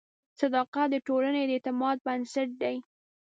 صداقت د ټولنې د اعتماد بنسټ دی.